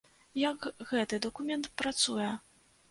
Як гэты дакумент працуе?